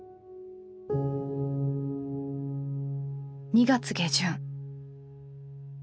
２月下旬。